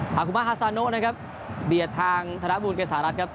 ฮุมาฮาซาโนนะครับเบียดทางธนบูลเกษารัฐครับ